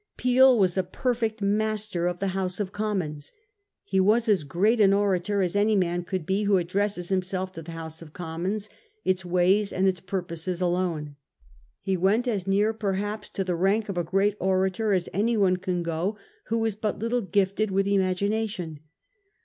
Peel was a perfect master of the House of Commons. He was as great an orator as any man could be who addresses himself to the House of Commons, its ways and its. purposes alone. He went as near perhaps to the rank of a great orator as anyone can go who is but little gifted with imagination.